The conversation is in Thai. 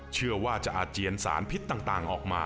เชื่อว่าจะอาเจียนสารพิษต่างออกมา